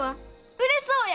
売れそうや！